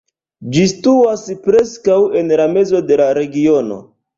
Ĝi situas preskaŭ en la mezo de la regiono.